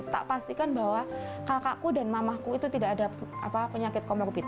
tak pastikan bahwa kakakku dan mamahku itu tidak ada penyakit komorbid